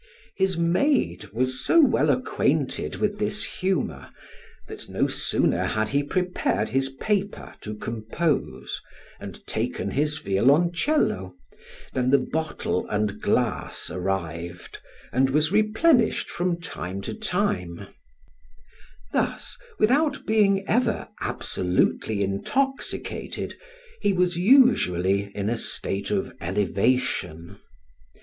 His maid was so well acquainted with this humor that no sooner had he prepared his paper to compose, and taken his violoncello, than the bottle and glass arrived, and was replenished from time to time: thus, without being ever absolutely intoxicated, he was usually in a state of elevation.